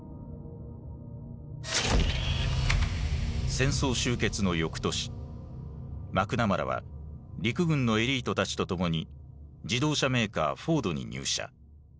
戦争終結の翌年マクナマラは陸軍のエリートたちと共に自動車メーカーフォードに入社。